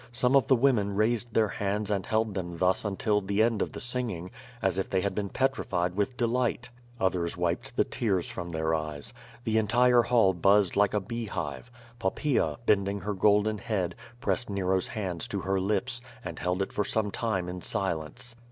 Some of the women raised their hands and held them thus until the end of the singing, as if they had been petrified with delight. Others wiped the tears from their eyes. The en tire hall buzzed like a beehive. Poppaea, bending her golden head, pressed Nero's hands to her lips, and held it for some time in silence.